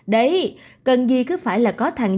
đấy cần gì cứ phải là có thằng